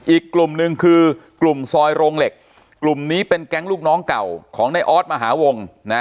อีกกลุ่มหนึ่งคือกลุ่มซอยโรงเหล็กกลุ่มนี้เป็นแก๊งลูกน้องเก่าของในออสมหาวง